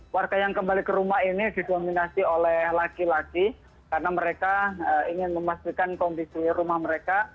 warga yang kembali ke rumah ini didominasi oleh laki laki karena mereka ingin memastikan kondisi rumah mereka